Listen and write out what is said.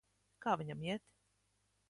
Kā viņam iet?